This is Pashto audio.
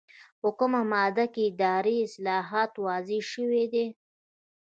په کومه ماده کې اداري اصلاحات واضح شوي دي؟